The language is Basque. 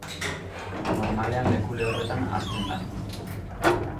Normalean leku lehorretan hazten da.